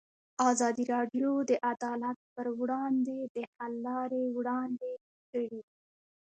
ازادي راډیو د عدالت پر وړاندې د حل لارې وړاندې کړي.